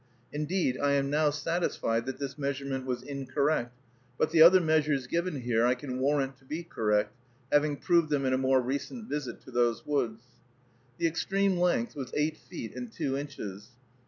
(Indeed, I am now satisfied that this measurement was incorrect, but the other measures given here I can warrant to be correct, having proved them in a more recent visit to those woods.) The extreme length was eight feet and two inches.